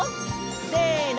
せの！